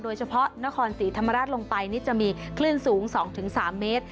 โดยเฉพาะนครศรีธรรมราชลงไปนี่จะมีคลื่นสูง๒๓เมตร